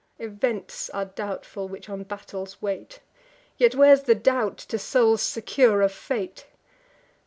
Events are doubtful, which on battles wait: Yet where's the doubt, to souls secure of fate?